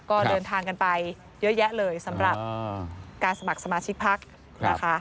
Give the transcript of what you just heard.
ก็เดินทางกันไปเยอะแยะเลยสำหรับการสมัครสมาชิกพักนะคะ